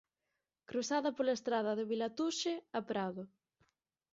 Cruzada pola estrada de Vilatuxe a Prado.